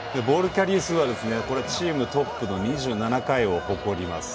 キャリー数はチームトップの２７回を誇ります。